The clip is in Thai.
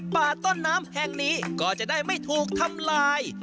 ป่าต้นน้ำแห่งนี้ก็จะได้ไม่ถูกทำลาย